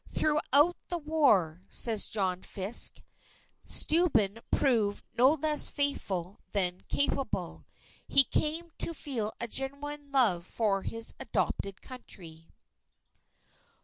"Throughout the war," says John Fiske, "Steuben proved no less faithful than capable. He came to feel a genuine love for his adopted Country."